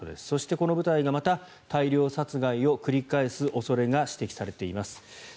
そしてこの部隊がまた大量殺害を繰り返す恐れが指摘されています。